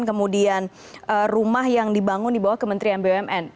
kemudian rumah yang dibangun di bawah kementerian bumn